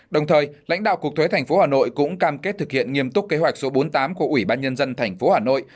đồng thời lãnh đạo cục thuế tp hà nội cũng cam kết thực hiện nghiêm túc kế hoạch số bốn mươi tám của ủy ban nhân dân tp hà nội